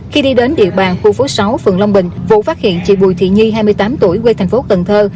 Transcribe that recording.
khi đi đến địa bàn khu phố sáu phường long bình vụ phát hiện chị bùi thị nhi hai mươi tám tuổi quê thành phố cần thơ